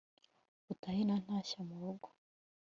utahe na ntashya mu rugo